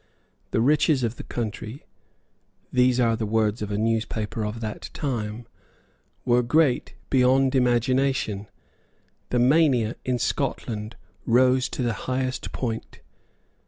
The riches of the country, these are the words of a newspaper of that time, were great beyond imagination. The mania in Scotland rose to the highest point.